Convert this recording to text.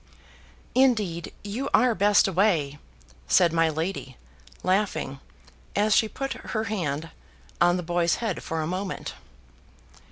"Indeed, you are best away," said my lady, laughing, as she put her hand on the boy's head for a moment.